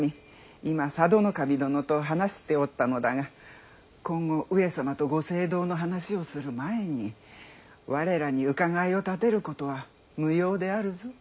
今佐渡守殿と話しておったのだが今後上様とご政道の話をする前に我らに伺いを立てることは無用であるぞ。